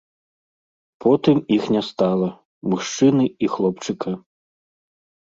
Потым іх не стала, мужчыны і хлопчыка.